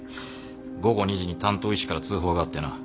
午後２時に担当医師から通報があってな。